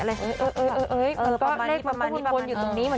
เออก็เลขประมาณนี้